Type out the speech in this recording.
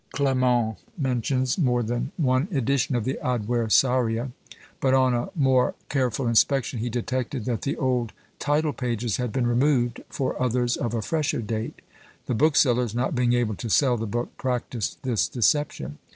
Clement mentions more than one edition of the Adversaria; but on a more careful inspection he detected that the old title pages had been removed for others of a fresher date; the booksellers not being able to sell the book practised this deception.